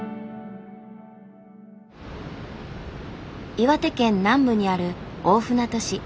岩手県南部にある大船渡市。